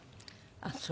ああそう。